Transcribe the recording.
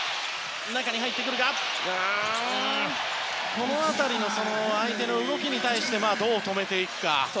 この辺りの相手の動きをどう止めていくか。